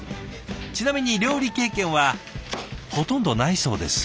ちなみに料理経験はほとんどないそうです。